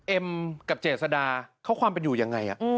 เอ็มกับเจษดาเขาความเป็นอยู่ยังไง